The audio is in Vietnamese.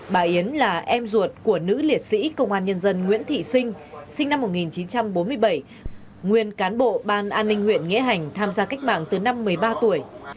bà yến là em ruột của nữ liệt sĩ công an nhân dân nguyễn thị sinh sinh năm một nghìn chín trăm bốn mươi bảy nguyên cán bộ ban an ninh huyện nghĩa hành tham gia cách mạng từ năm một mươi ba tuổi